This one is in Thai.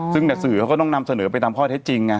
ซึ่งสื่อเขาก็ต้องนำเสนอไปตามข้อเท็จจริงไง